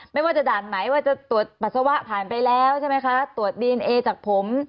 ไม่ว่าจะด่านไหนว่าจะตรวจปัสสาวะผ่านไปแล้วใช่ไหมคะตรวจดีเอนเอจากผม